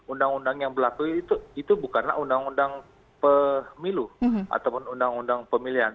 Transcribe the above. undang undang yang berlaku itu bukanlah undang undang pemilu ataupun undang undang pemilihan